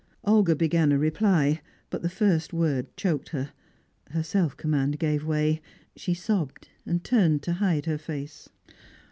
Olga began a reply, but the first word choked her. Her self command gave way, she sobbed, and turned to hide her face.